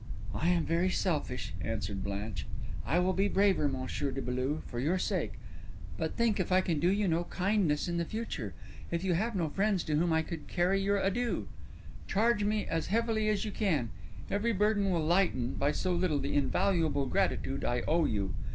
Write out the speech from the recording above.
"I am very selfish," answered Blanche. "I will be braver, Monsieur de Beaulieu, for your sake. But think if I can do you no kindness in the future—if you have no friends to whom I could carry your adieux. Charge me as heavily as you can; every burden will lighten, by so little, the invaluable gratitude I owe you.